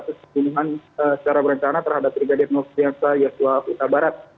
satu kesimpulannya secara berencana terhadap riga depok triaksa yosua utara barat